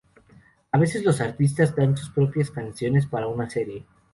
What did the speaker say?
A veces los artistas dan a sus propias canciones para una serie.